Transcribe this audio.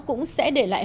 cũng sẽ để lại